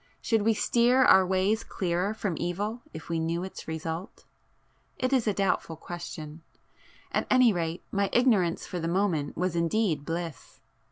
Should we steer our ways clearer from evil if we knew its result? It is a doubtful question,—at anyrate my ignorance for the moment was indeed bliss.